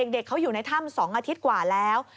เด็กเขาอยู่ในถ้ำ๒อาทิตย์กว่าแล้ว